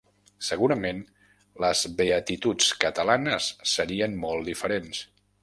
Segurament les beatituds catalanes serien molt diferents.